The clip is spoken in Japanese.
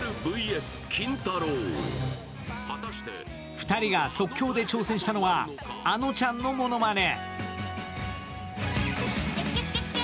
２人が即興で挑戦したのはあのちゃんのモノマネ。